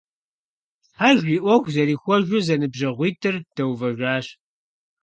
Щхьэж и Iуэху зэрихуэжу зэныбжьэгъуитIыр дэувэжащ.